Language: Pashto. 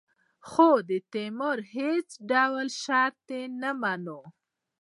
خو د تیمور هېڅ ډول شرایط نه مني.